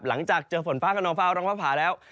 หลังจากเจอฝนฟ้าขนองฟ้าร้องฟ้าผ่าแล้ว